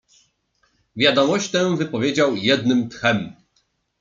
"Wiadomość tę wypowiedział jednym tchem."